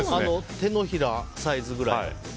手のひらサイズくらいの。